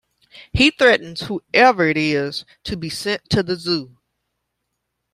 He threatens whoever it is to be sent to the zoo.